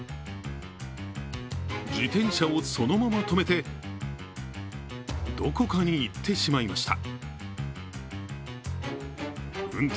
自転車をそのまま止めて、どこかに行ってしまいました。